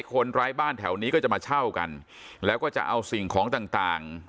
ไร้บ้านแถวนี้ก็จะมาเช่ากันแล้วก็จะเอาสิ่งของต่างต่าง